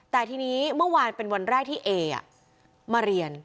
แต่ทีนี้เมื่อวานเป็นวันแรกที่เอมาเรียน